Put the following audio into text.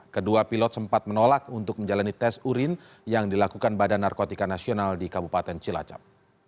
kedua pilot sempat menolak untuk menjalani tes urin yang dilakukan badan narkotika nasional di kabupaten cilacap